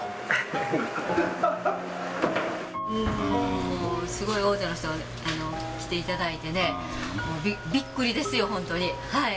もうすごい大勢の人が来ていただいてね、もうびっくりですよ、本当に。